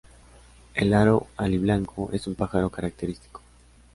El arao aliblanco es un pájaro característico.